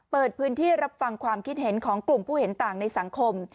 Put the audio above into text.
เปิดพื้นที่รับฟังความคิดเห็นของกลุ่มผู้เห็นต่างในสังคม